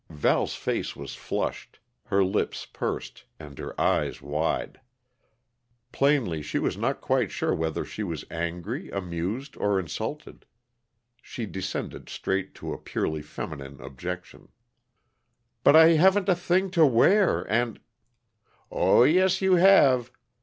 Val's face was flushed, her lips pursed, and her eyes wide. Plainly she was not quite sure whether she was angry, amused, or insulted. She descended straight to a purely feminine objection. "But I haven't a thing to wear, and " "Oh, yes, you have.